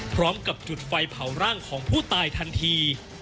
พร้อมกับจุดไฟเผาร่างของผู้ตายทันที